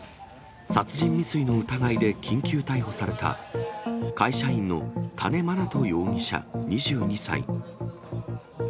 殺人未遂の疑いで緊急逮捕された、会社員の多禰茉奈都容疑者２２歳。